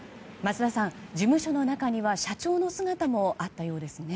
桝田さん、事務所の中には社長の姿もあったようですね。